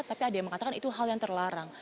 tapi ada yang mengatakan itu hal yang terlarang